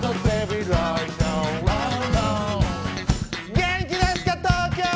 元気ですか東京！